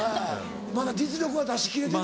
まだ実力は出しきれてない？